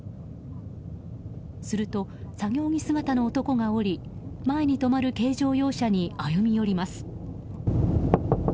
すると、作業着姿の男が降り前に止まる軽乗用車に歩み寄ります。